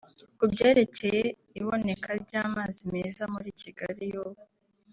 Ku byerekeye iboneka ry’amazi meza muri Kigali y’ubu